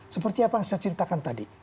seperti apa yang saya ceritakan tadi